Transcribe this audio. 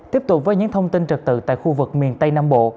tiếp tục với những thông tin trực tự tại khu vực miền tây nam bộ